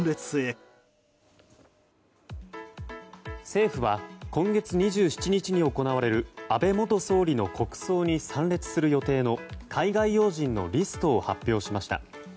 政府は今月２７日に行われる安倍元総理の国葬に参列する予定の海外要人のリストを発表しました。